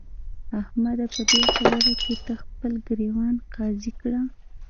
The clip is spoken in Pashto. احمده! په دې خبره کې ته خپل ګرېوان قاضي کړه.